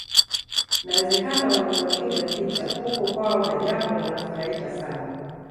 Inawezekana waliwapiga picha huko kwao na jambo la kufurahisha sana